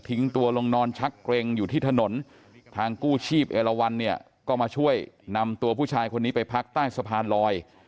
ตัวลงนอนชักเกร็งอยู่ที่ถนนทางกู้ชีพเอลวันเนี่ยก็มาช่วยนำตัวผู้ชายคนนี้ไปพักใต้สะพานลอย